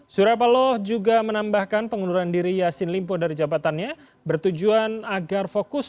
surya paloh juga menambahkan pengunduran diri yassin limpo dari jabatannya bertujuan agar fokus